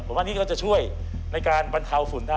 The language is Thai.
ผมว่านี่ก็จะช่วยในการบรรเทาฝุ่นได้